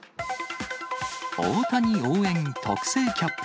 大谷応援特製キャップ。